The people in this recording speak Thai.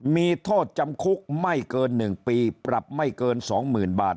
มีโทษจำคุกไม่เกิน๑ปีปรับไม่เกิน๒๐๐๐บาท